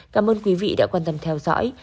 cảm ơn quý vị đã quan tâm theo dõi